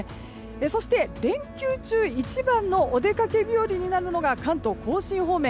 そして、連休中一番のお出かけ日和になるのが関東・甲信方面。